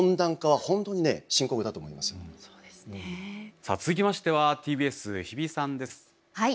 さあ続きましてはＴＢＳ日比さんです。